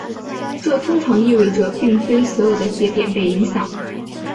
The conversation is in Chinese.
这通常意味着并非所有的节点被影响。